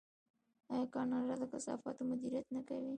آیا کاناډا د کثافاتو مدیریت نه کوي؟